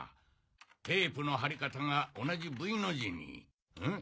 テープの貼り方が同じＶの字にん？